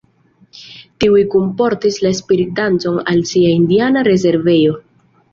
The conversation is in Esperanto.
Tiuj kunportis la spirit-dancon al sia indiana rezervejo.